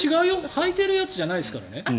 はいてるやつじゃないですからね。